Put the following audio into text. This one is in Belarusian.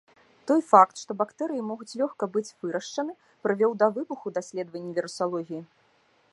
Той факт, што бактэрыі могуць лёгка быць вырашчаны, прывёў да выбуху даследаванні вірусалогіі.